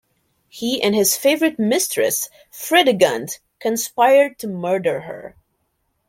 He and his favorite mistress, Fredegund, conspired to murder her.